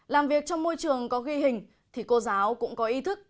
làm việc trong môi trường có ghi hình thì cô giáo cũng có ý thức